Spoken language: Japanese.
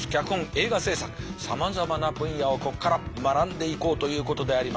映画制作さまざまな分野をここから学んでいこうということであります。